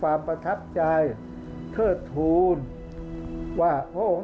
ภาคอีสานแห้งแรง